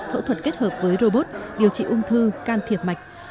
phẫu thuật kết hợp với robot điều trị ung thư can thiệp mạch